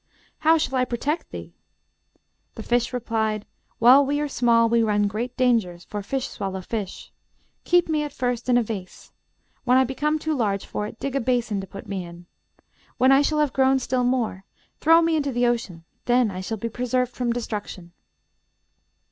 'How shall I protect thee?' The fish replied, 'While we are small we run great dangers, for fish swallow fish. Keep me at first in a vase; when I become too large for it, dig a basin to put me into. When I shall have grown still more, throw me into the ocean; then I shall be preserved from destruction.'